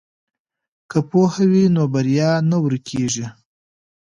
که پوهه وي نو بریا نه ورکیږي.